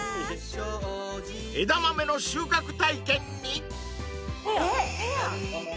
［枝豆の収穫体験に］